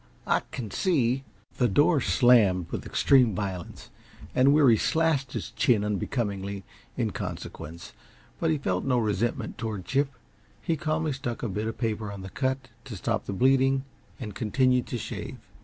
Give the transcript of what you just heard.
I can see " The door slammed with extreme violence, and Weary slashed his chin unbecomingly in consequence, but he felt no resentment toward Chip. He calmly stuck a bit of paper on the cut to stop the bleeding and continued to shave.